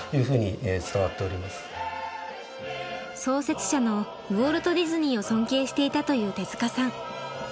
創設者のウォルト・ディズニーを尊敬していたという手さん。